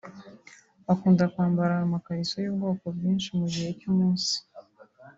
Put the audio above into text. bakunda kwambara amakariso y’ubwoko bwinsho mu gihe cy’umunsi